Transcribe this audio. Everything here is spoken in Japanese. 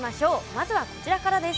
まずはこちらからです。